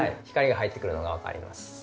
光が入ってくるのがわかります。